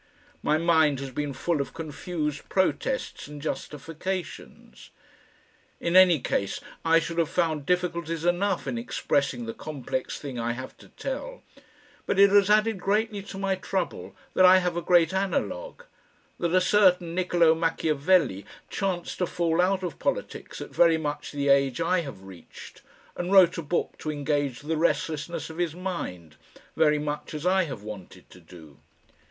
My mind has been full of confused protests and justifications. In any case I should have found difficulties enough in expressing the complex thing I have to tell, but it has added greatly to my trouble that I have a great analogue, that a certain Niccolo Machiavelli chanced to fall out of politics at very much the age I have reached, and wrote a book to engage the restlessness of his mind, very much as I have wanted to do.